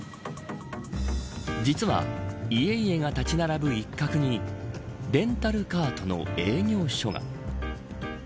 実は、家々が立ち並ぶ一角にレンタルカートの営業所が。